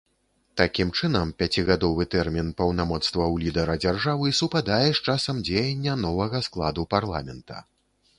Такім чынам, пяцігадовы тэрмін паўнамоцтваў лідара дзяржавы супадае з часам дзеяння новага складу парламента.